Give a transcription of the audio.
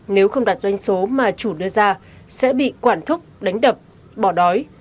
nếu không đặt doanh số mà chủ đưa ra sẽ bị quản thúc đánh đập bỏ đói